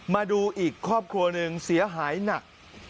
มาดูอีกครอบครัวหนึ่งเสียหายหนัก